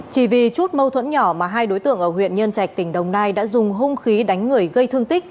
chỉ vì chút mâu thuẫn nhỏ mà hai đối tượng ở huyện nhân trạch tỉnh đồng nai đã dùng hung khí đánh người gây thương tích